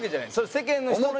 世間の人の。